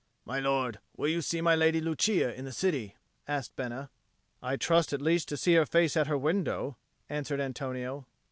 "My lord, will you see my Lady Lucia in the city?" asked Bena. "I trust at the least to see her face at her window," answered Antonio.